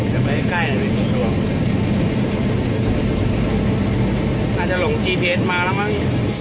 จะไปใกล้น่ะมันสนับสนภาพง่ายมาละมั้ง